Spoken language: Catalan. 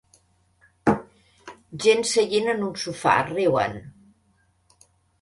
Gent seient en un sofà riuen.